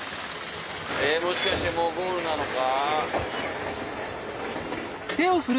もしかしてもうゴールなのか？